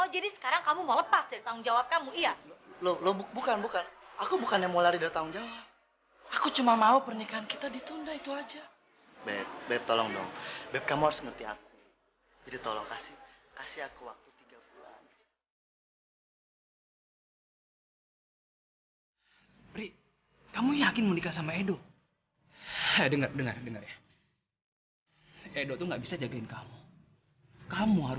pesah pernikahan udah disiapkan undangan udah disebar